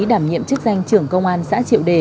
đảm nhiệm chức danh trưởng công an xã triệu đề